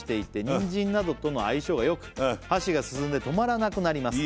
「ニンジンなどとの相性がよく箸が進んで止まらなくなります」